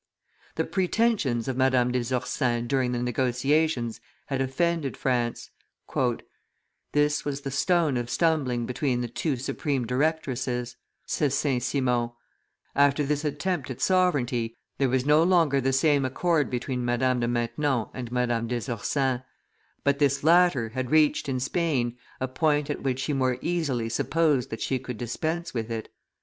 The pretensions of Madame des Ursins during the negotiations had offended France; "this was the stone of stumbling between the two supreme directresses," says St. Simon; after this attempt at sovereignty, there was no longer the same accord between Madame de Maintenon and Madame des Ursins, but this latter had reached in Spain a point at which she more easily supposed that she could dispense with it.